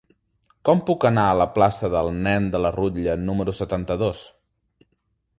Com puc anar a la plaça del Nen de la Rutlla número setanta-dos?